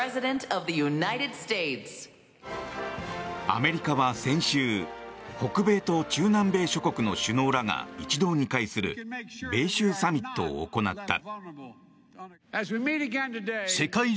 アメリカは先週北米と中南米諸国の首脳らが一堂に会する米州サミットを行った。